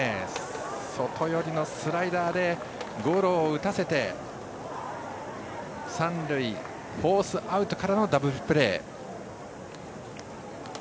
外寄りのスライダーでゴロを打たせて三塁フォースアウトからのダブルプレー。